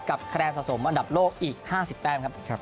กับแคลงสะสมอันดับโลกอีก๕๘ครับ